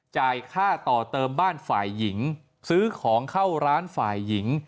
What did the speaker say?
จ่ายค่าต่อเติมบ้านฝ่ายหญิงซื้อของเข้าร้านฝ่ายหญิง